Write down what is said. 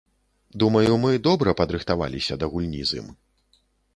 Думаю, мы добра падрыхтаваліся да гульні з ім.